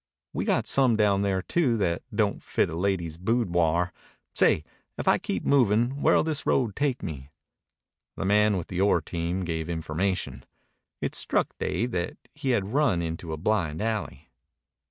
"We got some down there, too, that don't fit a lady's boodwar. Say, if I keep movin' where'll this road take me?" The man with the ore team gave information. It struck Dave that he had run into a blind alley.